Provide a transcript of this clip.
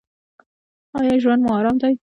ایا ژوند مو ارام دی؟